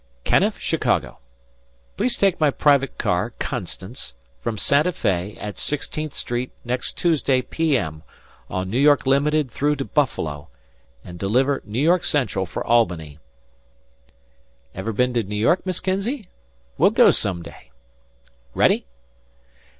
_Canniff, Chicago. Please take my private car 'Constance' from Santa Fe at Sixteenth Street next Tuesday p. m. on N. Y. Limited through to Buffalo and deliver N. Y. C. for Albany._ Ever bin to N' York, Miss Kinzey? We'll go some day. Ready?